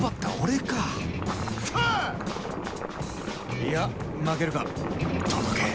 いや負けるか届け